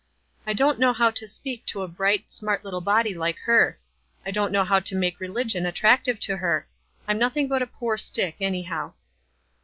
" I don't know how to speak to a bright, smart little body like her. I don't know how to make religion attractive to her. I'm nothing but a poor stick, anyhow."